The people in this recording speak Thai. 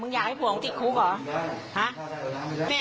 มึงอยากให้ผู้ห่างติดคุกหรอ